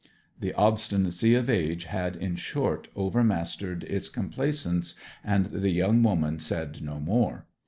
The obstinacy of age had, in short, overmastered its complaisance, and the young woman said no more.